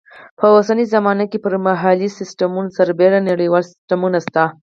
په اوسنۍ زمانه کې پر محلي سیسټمونو سربیره نړیوال سیسټمونه شته.